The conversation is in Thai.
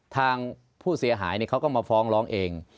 ทางผู้เสียหายเขาก็มาฟ้องร้องเอง